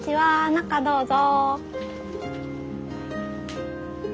中どうぞ。